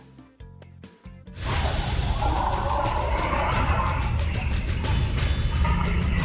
โอ้โฮโอ้โฮโอ้โฮ